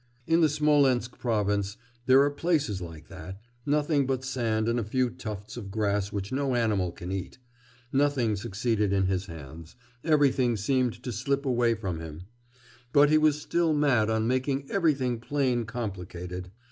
In the Smolensk province there are places like that nothing but sand and a few tufts of grass which no animal can eat. Nothing succeeded in his hands; everything seemed to slip away from him; but he was still mad on making everything plain complicated.